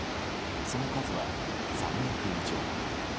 その数は３００以上。